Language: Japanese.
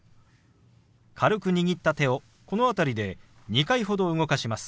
軽く握った手をこの辺りで２回ほど動かします。